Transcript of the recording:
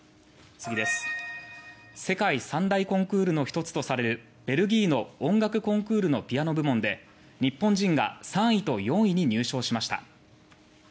世界三大コンクールの１つとされるベルギーの音楽コンクールのピアノ部門で日本人が３位と４位に入賞しました。